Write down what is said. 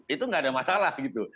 itu nggak ada masalah gitu